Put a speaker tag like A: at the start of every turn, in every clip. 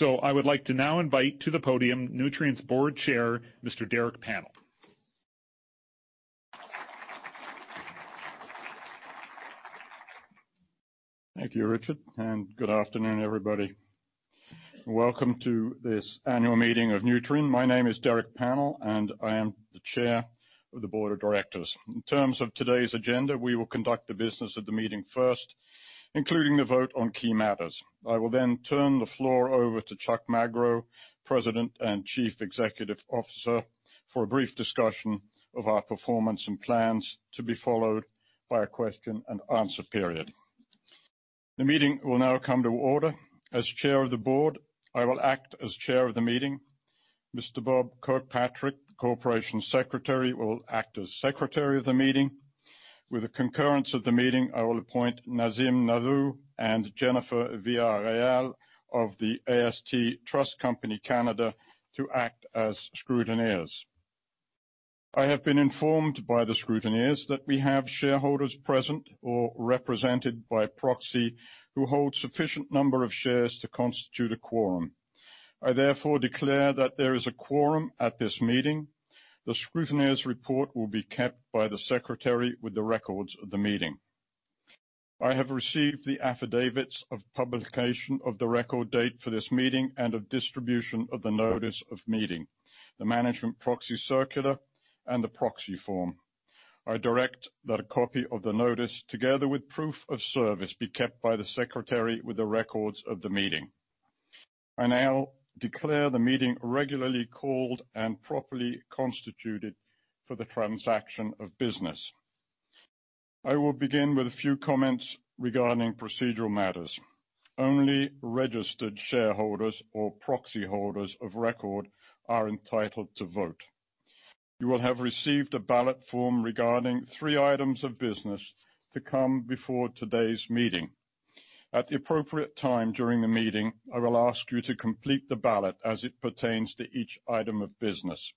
A: I would like to now invite to the podium Nutrien's Board Chair, Mr. Derek Pannell.
B: Thank you, Richard. Good afternoon, everybody. Welcome to this annual meeting of Nutrien. My name is Derek Pannell. I am the chair of the board of directors. In terms of today's agenda, we will conduct the business of the meeting first, including the vote on key matters. I will turn the floor over to Chuck Magro, President and Chief Executive Officer, for a brief discussion of our performance and plans, to be followed by a question and answer period. The meeting will now come to order. As chair of the board, I will act as chair of the meeting. Mr. Bob Kirkpatrick, the Corporate Secretary, will act as secretary of the meeting. With the concurrence of the meeting, I will appoint Nazim Naidoo and Jennifer Villarreal of the AST Trust Company (Canada) to act as scrutineers. I have been informed by the scrutineers that we have shareholders present or represented by proxy who hold sufficient number of shares to constitute a quorum. I declare that there is a quorum at this meeting. The scrutineers' report will be kept by the secretary with the records of the meeting. I have received the affidavits of publication of the record date for this meeting and of distribution of the notice of meeting, the management proxy circular, and the proxy form. I direct that a copy of the notice, together with proof of service, be kept by the secretary with the records of the meeting. I declare the meeting regularly called and properly constituted for the transaction of business. I will begin with a few comments regarding procedural matters. Only registered shareholders or proxy holders of record are entitled to vote. You will have received a ballot form regarding three items of business to come before today's meeting. At the appropriate time during the meeting, I will ask you to complete the ballot as it pertains to each item of business.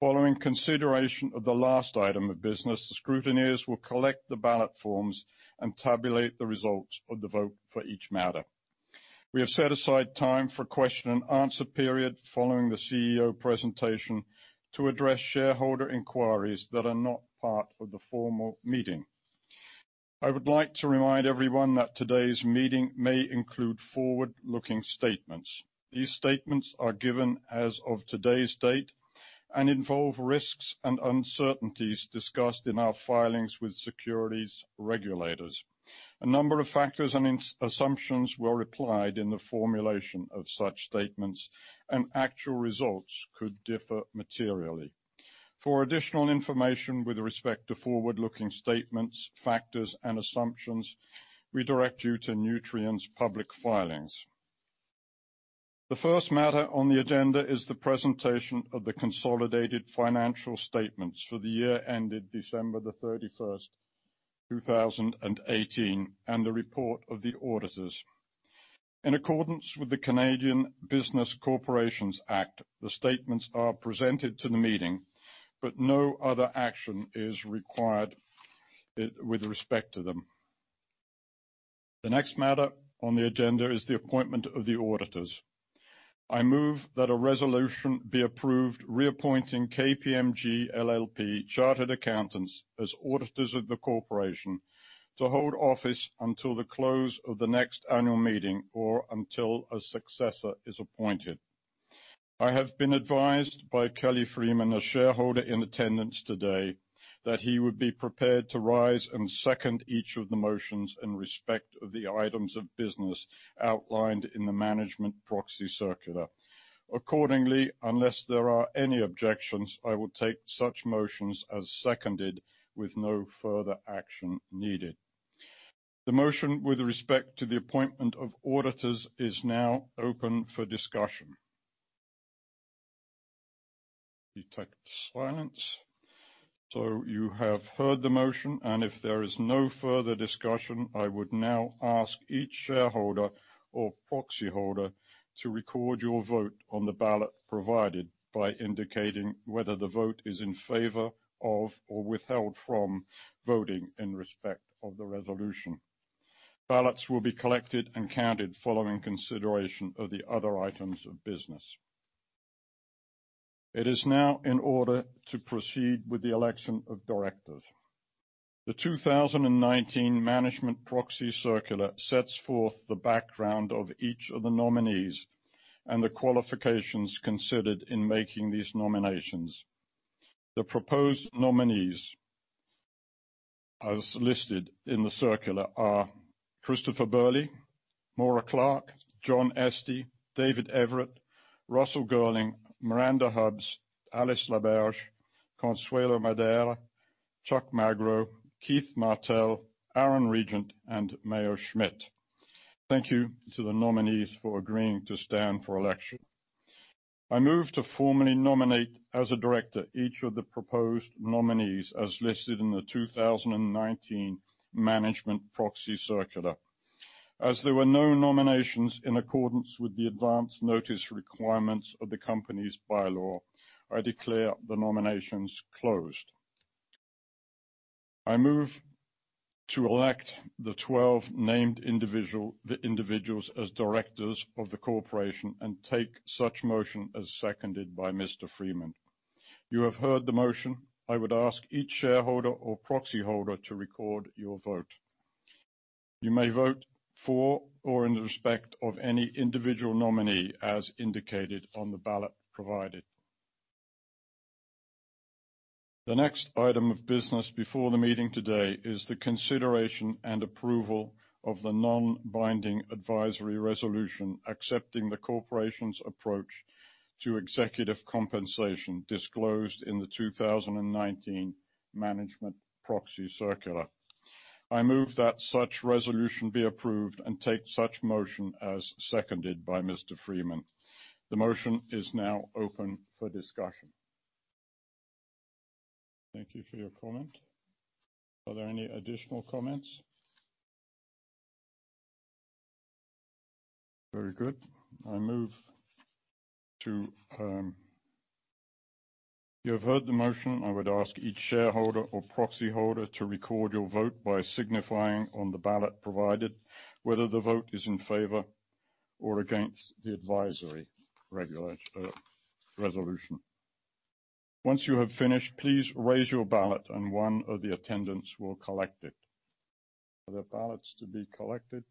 B: Following consideration of the last item of business, the scrutineers will collect the ballot forms and tabulate the results of the vote for each matter. We have set aside time for question and answer period following the CEO presentation to address shareholder inquiries that are not part of the formal meeting. I would like to remind everyone that today's meeting may include forward-looking statements. These statements are given as of today's date and involve risks and uncertainties discussed in our filings with securities regulators. A number of factors and assumptions were applied in the formulation of such statements. Actual results could differ materially. For additional information with respect to forward-looking statements, factors, and assumptions, we direct you to Nutrien's public filings. The first matter on the agenda is the presentation of the consolidated financial statements for the year ended December 31st, 2018, and the report of the auditors. In accordance with the Canada Business Corporations Act, the statements are presented to the meeting. No other action is required with respect to them. The next matter on the agenda is the appointment of the auditors. I move that a resolution be approved reappointing KPMG LLP chartered accountants as auditors of the corporation to hold office until the close of the next annual meeting or until a successor is appointed. I have been advised by Kelly Freeman, a shareholder in attendance today, that he would be prepared to rise and second each of the motions in respect of the items of business outlined in the management proxy circular. Accordingly, unless there are any objections, I will take such motions as seconded with no further action needed. The motion with respect to the appointment of auditors is now open for discussion. You have heard the motion, and if there is no further discussion, I would now ask each shareholder or proxy holder to record your vote on the ballot provided by indicating whether the vote is in favor of or withheld from voting in respect of the resolution. Ballots will be collected and counted following consideration of the other items of business. It is now in order to proceed with the election of directors. The 2019 management proxy circular sets forth the background of each of the nominees and the qualifications considered in making these nominations. The proposed nominees as listed in the circular are Christopher Burley, Maura Clark, John Estey, David Everitt, Russell Girling, Miranda Hubbs, Alice Laberge, Consuelo Madere, Chuck Magro, Keith Martell, Aaron Regent, and Mayo Schmidt. Thank you to the nominees for agreeing to stand for election. I move to formally nominate as a director each of the proposed nominees as listed in the 2019 management proxy circular. As there were no nominations in accordance with the advance notice requirements of the company's bylaw, I declare the nominations closed. I move to elect the 12 named individuals as directors of the corporation and take such motion as seconded by Mr. Freeman. You have heard the motion. I would ask each shareholder or proxy holder to record your vote. You may vote for or in respect of any individual nominee as indicated on the ballot provided. The next item of business before the meeting today is the consideration and approval of the non-binding advisory resolution accepting the corporation's approach to executive compensation disclosed in the 2019 management proxy circular. I move that such resolution be approved and take such motion as seconded by Mr. Freeman. The motion is now open for discussion. Thank you for your comment. Are there any additional comments? Very good. You have heard the motion. I would ask each shareholder or proxy holder to record your vote by signifying on the ballot provided whether the vote is in favor or against the advisory resolution. Once you have finished, please raise your ballot and one of the attendants will collect it. Are there ballots to be collected?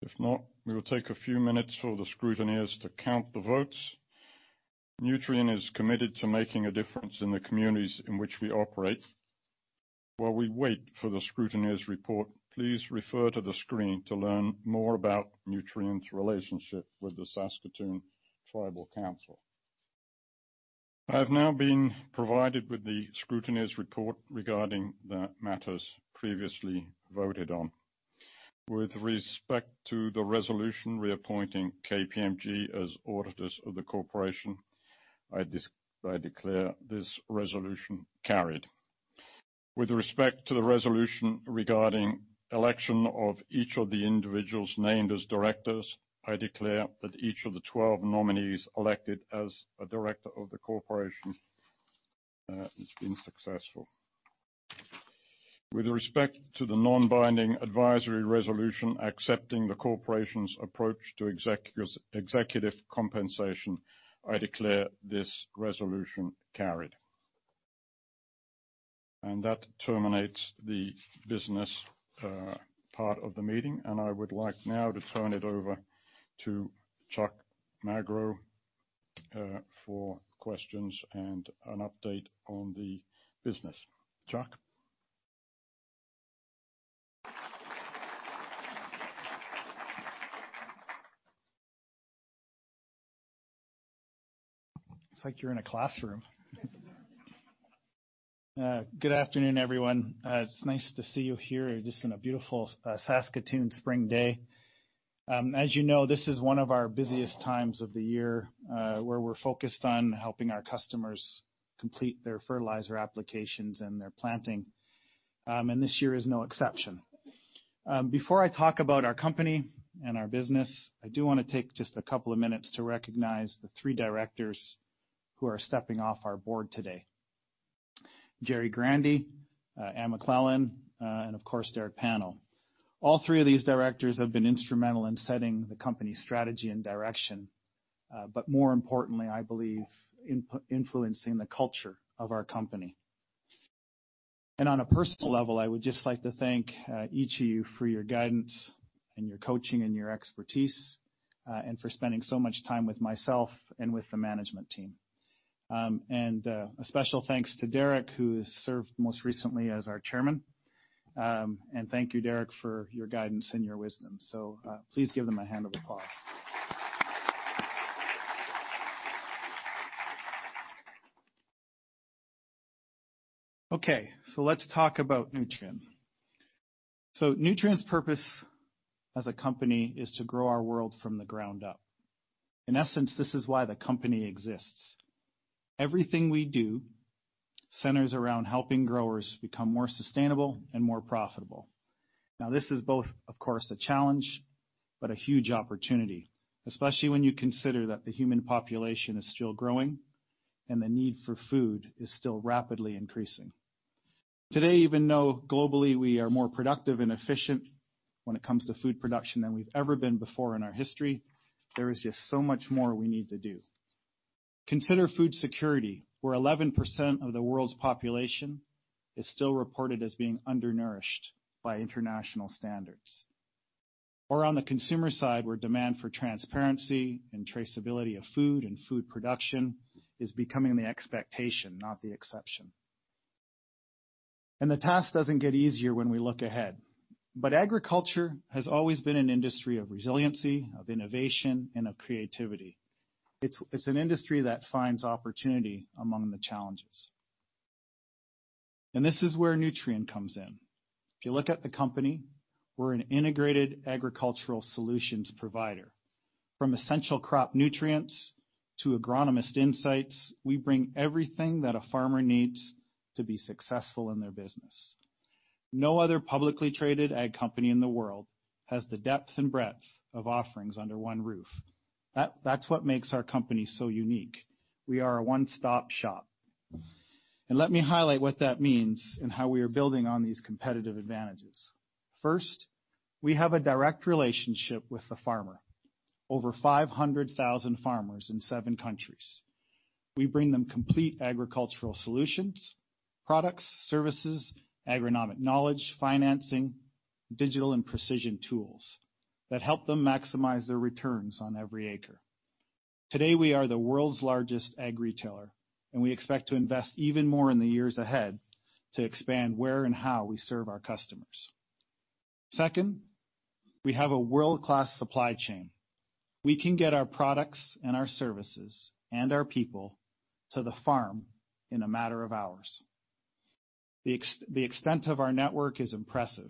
B: If not, we will take a few minutes for the scrutineers to count the votes. Nutrien is committed to making a difference in the communities in which we operate. While we wait for the scrutineers' report, please refer to the screen to learn more about Nutrien's relationship with the Saskatoon Tribal Council. I have now been provided with the scrutineers' report regarding the matters previously voted on. With respect to the resolution reappointing KPMG as auditors of the corporation, I declare this resolution carried. With respect to the resolution regarding election of each of the individuals named as directors, I declare that each of the 12 nominees elected as a director of the corporation has been successful. With respect to the non-binding advisory resolution accepting the corporation's approach to executive compensation, I declare this resolution carried. That terminates the business part of the meeting, I would like now to turn it over to Chuck Magro, for questions and an update on the business. Chuck?
C: It's like you're in a classroom. Good afternoon, everyone. It's nice to see you here just on a beautiful Saskatoon spring day. As you know, this is one of our busiest times of the year, where we're focused on helping our customers complete their fertilizer applications and their planting. This year is no exception. Before I talk about our company and our business, I do want to take just a couple of minutes to recognize the three directors who are stepping off our board today. Jerry Grandey, Anne McLellan, and of course, Derek Pannell. All three of these directors have been instrumental in setting the company's strategy and direction. More importantly, I believe, influencing the culture of our company. On a personal level, I would just like to thank each of you for your guidance and your coaching and your expertise, and for spending so much time with myself and with the management team. A special thanks to Derek, who has served most recently as our chairman. Thank you, Derek, for your guidance and your wisdom. Please give them a hand of applause. Okay, let's talk about Nutrien. Nutrien's purpose as a company is to grow our world from the ground up. In essence, this is why the company exists. Everything we do centers around helping growers become more sustainable and more profitable. Now, this is both, of course, a challenge, but a huge opportunity, especially when you consider that the human population is still growing and the need for food is still rapidly increasing. Today, even though globally we are more productive and efficient when it comes to food production than we've ever been before in our history, there is just so much more we need to do. Consider food security, where 11% of the world's population is still reported as being undernourished by international standards. On the consumer side, where demand for transparency and traceability of food and food production is becoming the expectation, not the exception. The task doesn't get easier when we look ahead. Agriculture has always been an industry of resiliency, of innovation, and of creativity. It's an industry that finds opportunity among the challenges. This is where Nutrien comes in. If you look at the company, we're an integrated agricultural solutions provider. From essential crop nutrients to agronomist insights, we bring everything that a farmer needs to be successful in their business. No other publicly traded ag company in the world has the depth and breadth of offerings under one roof. That's what makes our company so unique. We are a one-stop shop. Let me highlight what that means and how we are building on these competitive advantages. First, we have a direct relationship with the farmer, over 500,000 farmers in seven countries. We bring them complete agricultural solutions, products, services, agronomic knowledge, financing, digital and precision tools that help them maximize their returns on every acre. Today, we are the world's largest ag retailer, and we expect to invest even more in the years ahead to expand where and how we serve our customers. Second, we have a world-class supply chain. We can get our products and our services and our people to the farm in a matter of hours. The extent of our network is impressive.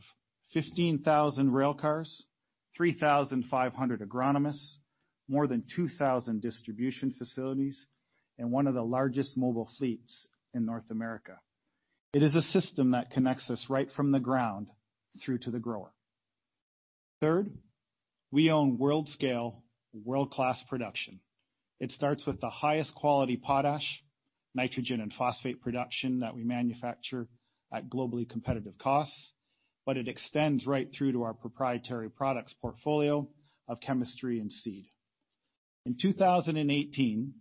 C: 15,000 rail cars, 3,500 agronomists, more than 2,000 distribution facilities, and one of the largest mobile fleets in North America. It is a system that connects us right from the ground through to the grower. Third, we own world-scale, world-class production. It starts with the highest quality potash, nitrogen, and phosphate production that we manufacture at globally competitive costs, but it extends right through to our proprietary products portfolio of chemistry and seed. In 2018,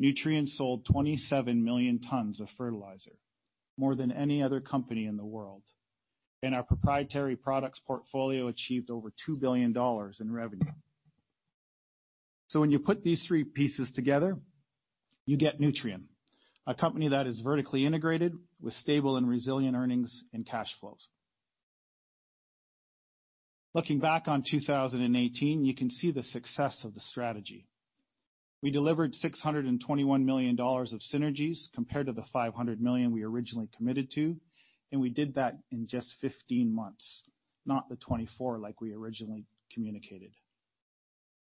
C: Nutrien sold 27 million tons of fertilizer, more than any other company in the world. Our proprietary products portfolio achieved over $2 billion in revenue. When you put these three pieces together, you get Nutrien, a company that is vertically integrated with stable and resilient earnings and cash flows. Looking back on 2018, you can see the success of the strategy. We delivered $621 million of synergies compared to the $500 million we originally committed to, and we did that in just 15 months, not the 24 like we originally communicated.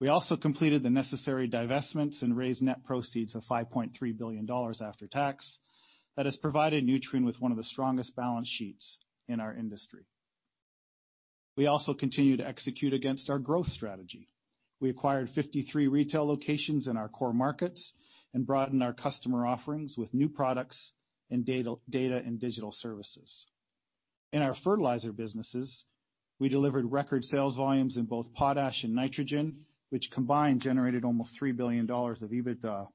C: We also completed the necessary divestments and raised net proceeds of $5.3 billion after tax. That has provided Nutrien with one of the strongest balance sheets in our industry. We also continue to execute against our growth strategy. We acquired 53 retail locations in our core markets and broadened our customer offerings with new products and data and digital services. In our fertilizer businesses, we delivered record sales volumes in both potash and nitrogen, which combined generated almost $3 billion of EBITDA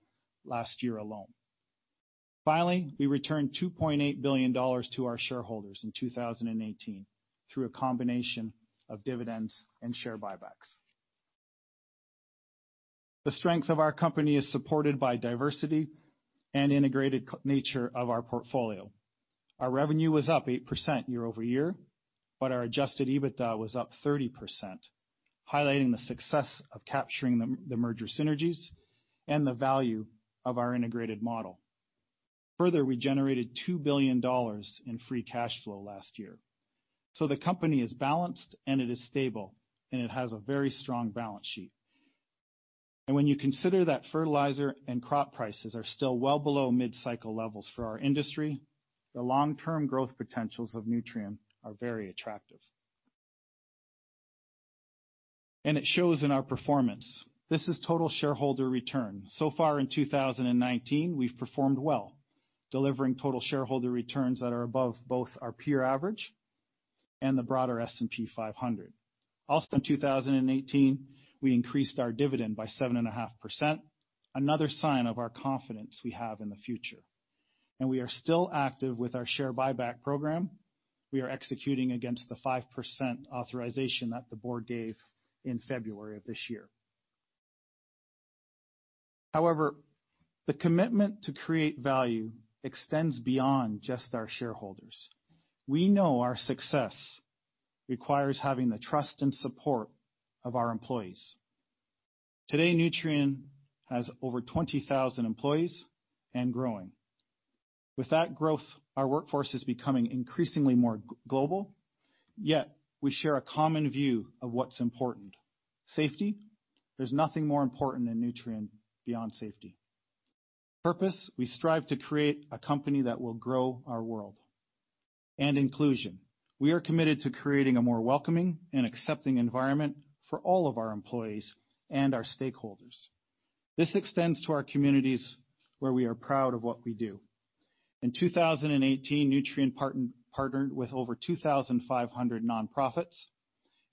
C: last year alone. Finally, we returned $2.8 billion to our shareholders in 2018 through a combination of dividends and share buybacks. The strength of our company is supported by diversity and integrated nature of our portfolio. Our revenue was up 8% year-over-year, but our adjusted EBITDA was up 30%, highlighting the success of capturing the merger synergies and the value of our integrated model. Further, we generated $2 billion in free cash flow last year. The company is balanced and it is stable, and it has a very strong balance sheet. When you consider that fertilizer and crop prices are still well below mid-cycle levels for our industry, the long-term growth potentials of Nutrien are very attractive. It shows in our performance. Far in 2019, we've performed well, delivering total shareholder returns that are above both our peer average and the broader S&P 500. Also, in 2018, we increased our dividend by 7.5%, another sign of our confidence we have in the future. We are still active with our share buyback program. We are executing against the 5% authorization that the board gave in February of this year. However, the commitment to create value extends beyond just our shareholders. We know our success requires having the trust and support of our employees. Today, Nutrien has over 20,000 employees and growing. With that growth, our workforce is becoming increasingly more global, yet we share a common view of what's important. Safety. There's nothing more important than Nutrien beyond safety. Purpose. We strive to create a company that will grow our world. Inclusion. We are committed to creating a more welcoming and accepting environment for all of our employees and our stakeholders. This extends to our communities where we are proud of what we do. In 2018, Nutrien partnered with over 2,500 nonprofits,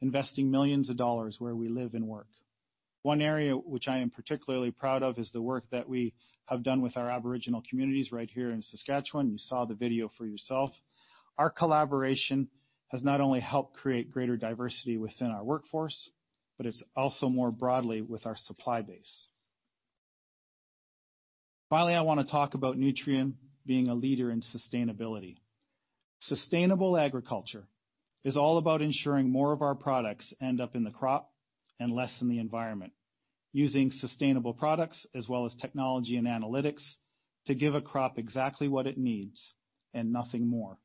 C: investing millions of dollars where we live and work. One area which I am particularly proud of is the work that we have done with our Aboriginal communities right here in Saskatchewan. You saw the video for yourself. Our collaboration has not only helped create greater diversity within our workforce, but it's also more broadly with our supply base. Finally, I want to talk about Nutrien being a leader in sustainability. Sustainable agriculture is all about ensuring more of our products end up in the crop and less in the environment, using sustainable products as well as technology and analytics to give a crop exactly what it needs and nothing more.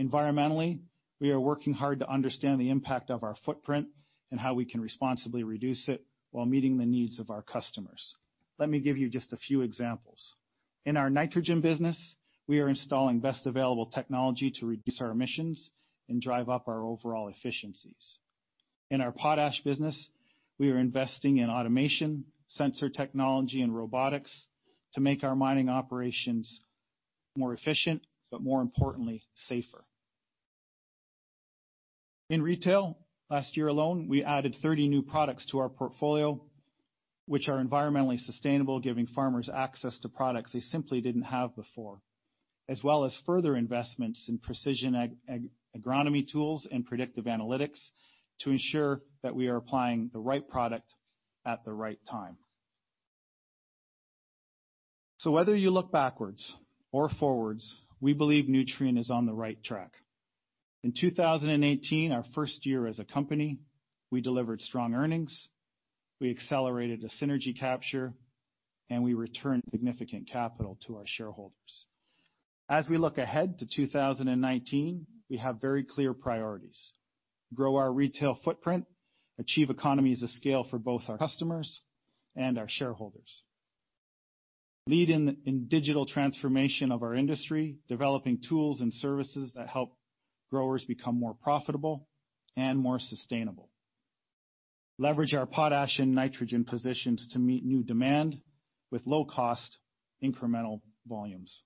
C: Environmentally, we are working hard to understand the impact of our footprint and how we can responsibly reduce it while meeting the needs of our customers. Let me give you just a few examples. In our nitrogen business, we are installing best available technology to reduce our emissions and drive up our overall efficiencies. In our potash business, we are investing in automation, sensor technology, and robotics to make our mining operations more efficient, but more importantly, safer. In retail, last year alone, we added 30 new products to our portfolio, which are environmentally sustainable, giving farmers access to products they simply didn't have before, as well as further investments in precision agronomy tools and predictive analytics to ensure that we are applying the right product at the right time. Whether you look backwards or forwards, we believe Nutrien is on the right track. In 2018, our first year as a company, we delivered strong earnings, we accelerated a synergy capture, and we returned significant capital to our shareholders. As we look ahead to 2019, we have very clear priorities. Grow our retail footprint, achieve economies of scale for both our customers and our shareholders. Lead in digital transformation of our industry, developing tools and services that help growers become more profitable and more sustainable. Leverage our potash and nitrogen positions to meet new demand with low-cost incremental volumes.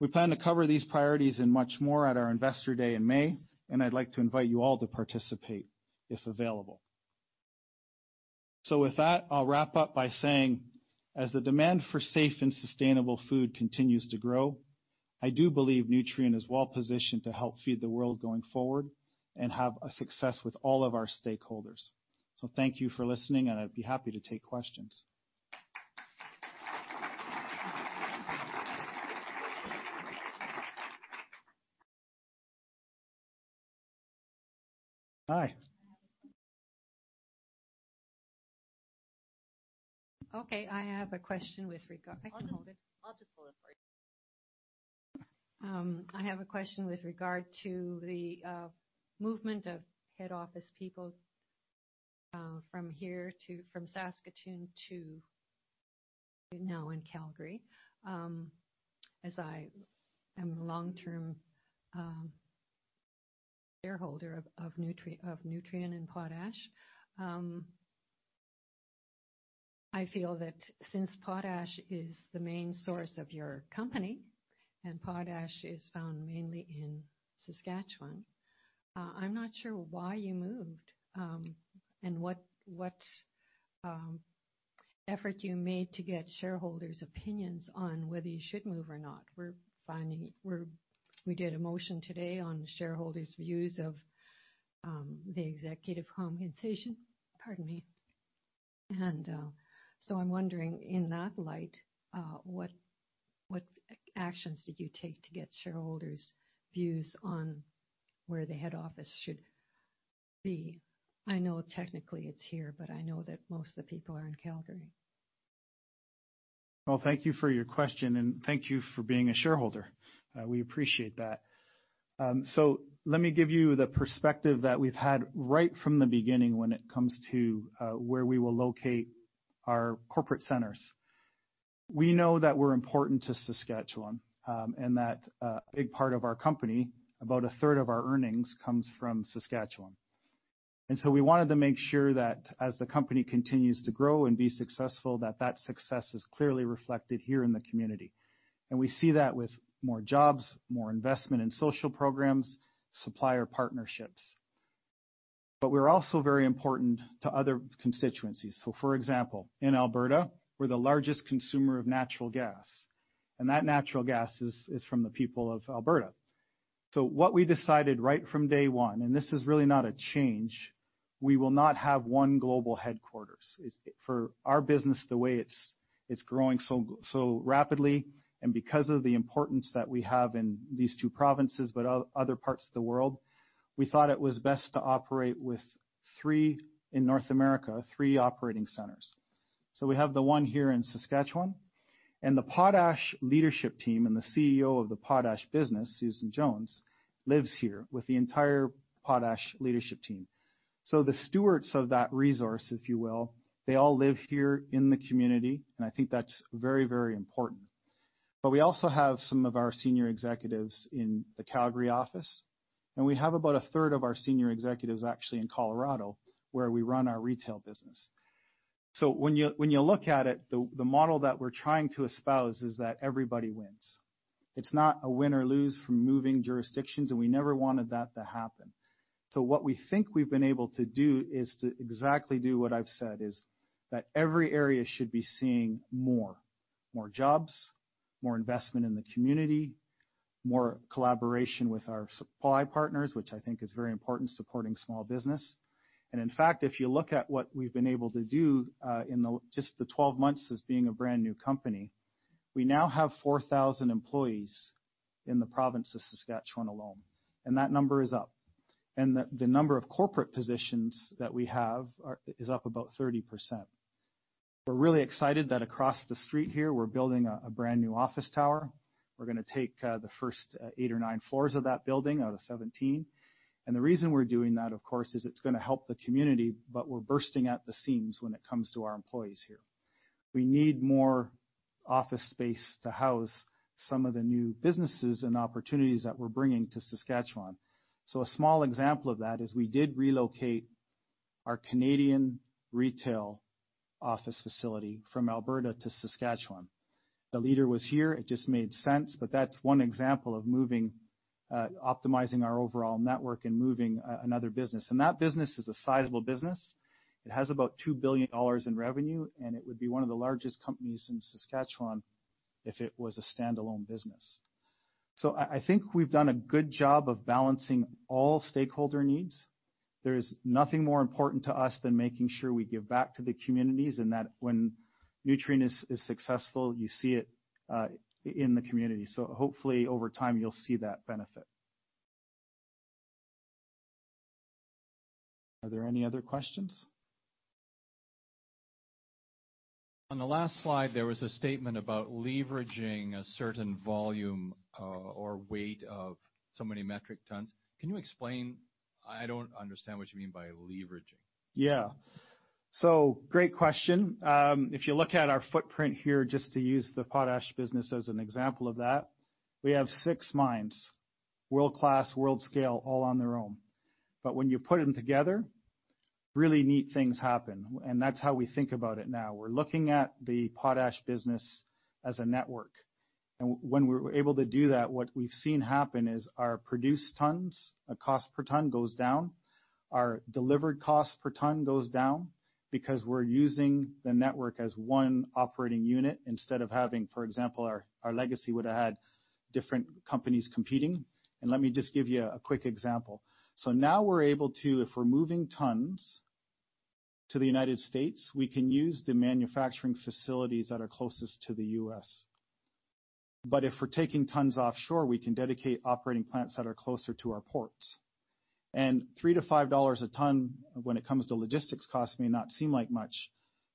C: We plan to cover these priorities and much more at our investor day in May, and I'd like to invite you all to participate if available. With that, I'll wrap up by saying, as the demand for safe and sustainable food continues to grow, I do believe Nutrien is well-positioned to help feed the world going forward and have success with all of our stakeholders. Thank you for listening, and I'd be happy to take questions. Hi.
D: Okay. I have a question. I can hold it.
C: I'll just hold it for you.
D: I have a question with regard to the movement of head office people, from Saskatoon to now in Calgary. As I am a long-term shareholder of Nutrien and PotashCorp, I feel that since PotashCorp is the main source of your company and PotashCorp is found mainly in Saskatchewan, I'm not sure why you moved, and what effort you made to get shareholders' opinions on whether you should move or not. We did a motion today on shareholders' views of the executive compensation. Pardon me. I'm wondering in that light, what actions did you take to get shareholders' views on where the head office should be? I know technically it's here, but I know that most of the people are in Calgary.
C: Thank you for your question, and thank you for being a shareholder. We appreciate that. Let me give you the perspective that we've had right from the beginning when it comes to where we will locate our corporate centers. We know that we're important to Saskatchewan, and that a big part of our company, about a third of our earnings, comes from Saskatchewan. We wanted to make sure that as the company continues to grow and be successful, that success is clearly reflected here in the community. We see that with more jobs, more investment in social programs, supplier partnerships. We're also very important to other constituencies. For example, in Alberta, we're the largest consumer of natural gas, and that natural gas is from the people of Alberta. What we decided right from day one, and this is really not a change, we will not have one global headquarters. For our business, the way it's growing so rapidly, and because of the importance that we have in these two provinces, but other parts of the world, we thought it was best to operate with three in North America, three operating centers. We have the one here in Saskatchewan, and the PotashCorp leadership team and the CEO of the PotashCorp business, Susan Jones, lives here with the entire PotashCorp leadership team. The stewards of that resource, if you will, they all live here in the community, and I think that's very important. We also have some of our senior executives in the Calgary office, and we have about a third of our senior executives actually in Colorado, where we run our retail business. When you look at it, the model that we're trying to espouse is that everybody wins. It's not a win or lose from moving jurisdictions, and we never wanted that to happen. What we think we've been able to do is to exactly do what I've said is that every area should be seeing more. More jobs, more investment in the community, more collaboration with our supply partners, which I think is very important, supporting small business. In fact, if you look at what we've been able to do, in just the 12 months as being a brand-new company, we now have 4,000 employees in the province of Saskatchewan alone, and that number is up. The number of corporate positions that we have is up about 30%. We're really excited that across the street here, we're building a brand-new office tower. We're going to take the first eight or nine floors of that building out of 17. The reason we're doing that, of course, is it's going to help the community, but we're bursting at the seams when it comes to our employees here. We need more office space to house some of the new businesses and opportunities that we're bringing to Saskatchewan. A small example of that is we did relocate our Canadian retail office facility from Alberta to Saskatchewan. The leader was here. It just made sense. That's one example of optimizing our overall network and moving another business. That business is a sizable business. It has about $2 billion in revenue, and it would be one of the largest companies in Saskatchewan if it was a standalone business. I think we've done a good job of balancing all stakeholder needs. There is nothing more important to us than making sure we give back to the communities, and that when Nutrien is successful, you see it in the community. Hopefully over time, you'll see that benefit. Are there any other questions?
D: On the last slide, there was a statement about leveraging a certain volume or weight of so many metric tons. Can you explain? I don't understand what you mean by leveraging.
C: Great question. If you look at our footprint here, just to use the potash business as an example of that, we have six mines, world-class, world scale, all on their own. When you put them together, really neat things happen, and that's how we think about it now. We're looking at the potash business as a network. When we're able to do that, what we've seen happen is our produced tons, cost per ton goes down, our delivered cost per ton goes down because we're using the network as one operating unit instead of having, for example, our legacy would have had different companies competing. Let me just give you a quick example. Now we're able to, if we're moving tons to the United States, we can use the manufacturing facilities that are closest to the U.S. If we're taking tons offshore, we can dedicate operating plants that are closer to our ports. $3-$5 a ton when it comes to logistics cost may not seem like much,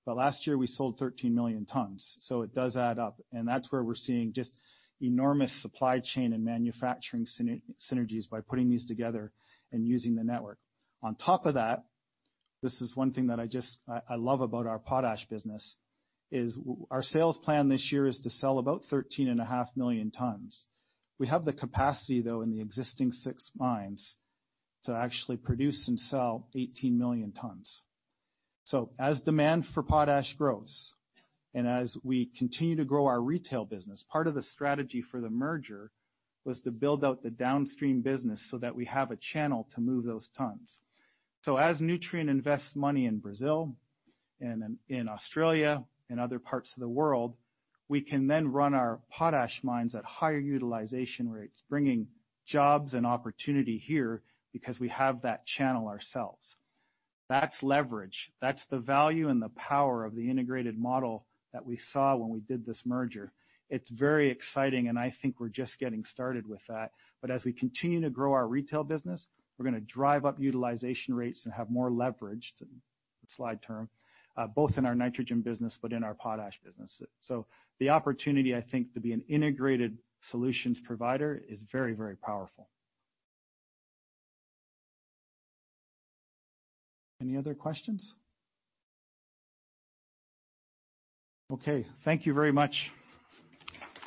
C: but last year we sold 13 million tons, so it does add up. That's where we're seeing just enormous supply chain and manufacturing synergies by putting these together and using the network. On top of that, this is one thing that I love about our potash business, is our sales plan this year is to sell about 13.5 million tons. We have the capacity, though, in the existing six mines to actually produce and sell 18 million tons. As demand for potash grows and as we continue to grow our retail business, part of the strategy for the merger was to build out the downstream business so that we have a channel to move those tons. As Nutrien invests money in Brazil and in Australia and other parts of the world, we can then run our potash mines at higher utilization rates, bringing jobs and opportunity here because we have that channel ourselves. That's leverage. That's the value and the power of the integrated model that we saw when we did this merger. It's very exciting, and I think we're just getting started with that. As we continue to grow our retail business, we're going to drive up utilization rates and have more leverage, slide term, both in our nitrogen business but in our potash business. The opportunity, I think, to be an integrated solutions provider is very powerful. Any other questions? Okay, thank you very much.
D: Thank you